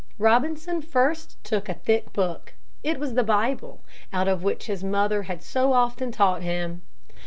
Robinson first took a thick book. It was the Bible, out of which his mother had so often taught him.